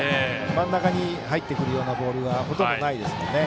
真ん中に入ってくるようなボールはほとんどないですからね。